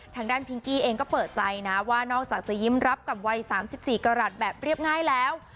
ทางด้านพิงกี้เองก็เปิดใจนะว่านอกจากจะยิ้มรับกับวัย๓๔กรัฐแบบเรียบง่ายแล้ว